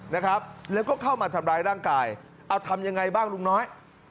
นะครับแล้วก็เข้ามาทำร้ายร่างกายเอาทำยังไงบ้างลุงน้อย